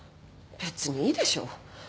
別にいいでしょ。